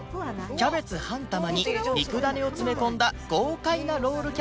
キャベツ半玉に肉ダネを詰め込んだ豪快なロールキャベツは